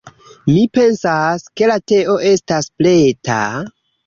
Mi pensas, ke la teo estas preta?